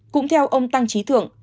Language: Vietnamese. cũng theo ông tăng trí thượng